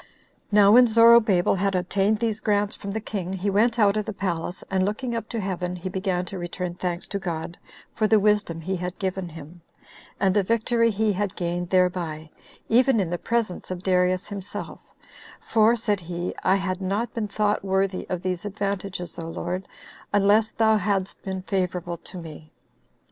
9. Now when Zorobabel had obtained these grants from the king, he went out of the palace, and looking up to heaven, he began to return thanks to God for the wisdom he had given him, and the victory he had gained thereby, even in the presence of Darius himself; for, said he, "I had not been thought worthy of these advantages, O Lord, unless thou hadst been favorable to me."